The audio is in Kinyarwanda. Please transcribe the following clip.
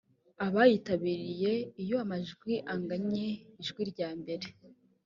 abayitabiriye iyo amajwi angannye ijwi ryambere